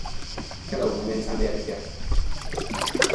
"Parahippus" was larger than "Miohippus", with longer legs and face.